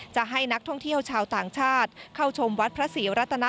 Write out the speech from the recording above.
จะให้นักท่องเที่ยวชาวต่างชาติ